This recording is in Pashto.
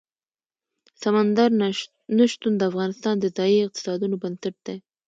سمندر نه شتون د افغانستان د ځایي اقتصادونو بنسټ دی.